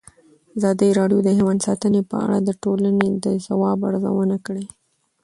ازادي راډیو د حیوان ساتنه په اړه د ټولنې د ځواب ارزونه کړې.